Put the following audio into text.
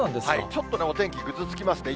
ちょっとお天気、ぐずつきますね。